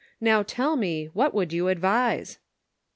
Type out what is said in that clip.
Now, tell me, what would you advise